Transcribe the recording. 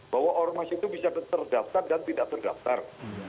bahwa ormas itu bisa terdaftar dan tidak terdaftar